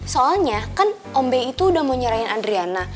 soalnya kan ombe itu udah mau nyerahin adriana